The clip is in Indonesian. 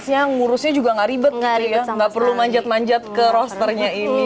yang ngurusnya juga gak ribet gitu ya nggak perlu manjat manjat ke rosternya ini